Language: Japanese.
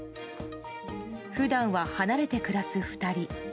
普段は離れて暮らす２人。